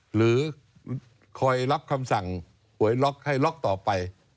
หรือคอยรับคำสั่งหวยล็อกให้ล็อกต่อไป